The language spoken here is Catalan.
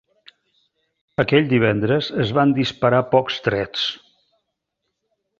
Aquell divendres es van disparar pocs trets